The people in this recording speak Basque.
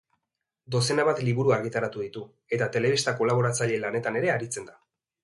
Dozena bat liburu argitaratu ditu, eta telebista kolaboratzaile lanetan ere aritzen da.